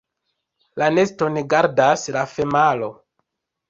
La neston gardas la femalo.